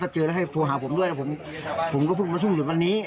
ถ้าเจอแล้วให้โทรหาผมด้วยแล้วผมก็เพิ่งมาช่วงหยุดวันนี้